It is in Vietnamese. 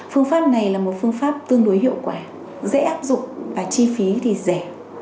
phương pháp này là một phương pháp tương đối hiệu quả dễ áp dụng và chi phí thì rẻ